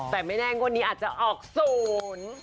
แต่ไม่แน่งวดนี้อาจจะออกศูนย์